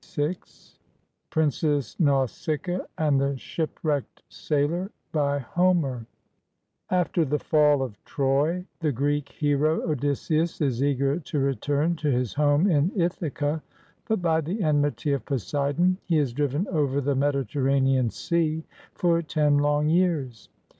1 PRINCESS NAUSICAA AND THE SHIPWRECKED SAILOR BY HOMER [After the fall of Troy, the Greek hero Odysseus is eager to return to his home in Ithaca, but by the enmity of Poseidon he is driven over the Mediterranean Sea for ten long years.